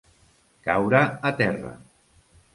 Caure a terra.